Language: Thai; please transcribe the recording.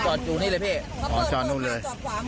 จอดอยู่นี่เลยพี่เขาเปิดปากจอดขวามือ